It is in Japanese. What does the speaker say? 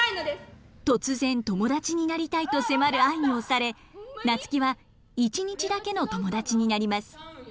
突然友達になりたいと迫る愛に押され夏樹は一日だけの友達になります。